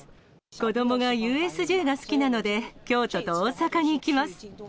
子どもがＵＳＪが好きなので、京都と大阪に行きます。